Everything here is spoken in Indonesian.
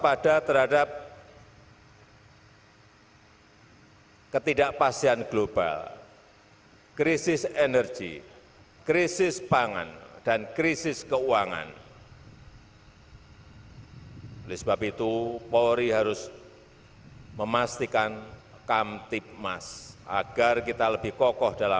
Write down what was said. penghormatan kepada panji panji kepolisian negara republik indonesia tri brata